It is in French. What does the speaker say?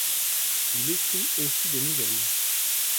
Il écrit aussi des nouvelles.